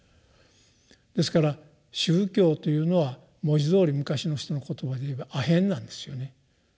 ですから宗教というのは文字どおり昔の人の言葉で言えばアヘンなんですよね。